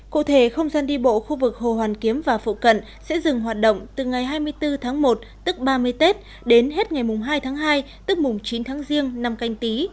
cụ thể không gian đi bộ khu vực hồ hoàn kiếm và phụ cận sẽ dừng hoạt động từ ngày hai mươi bốn tháng một tức ba mươi tết đến hết ngày hai tháng hai tức mùng chín tháng riêng năm canh tí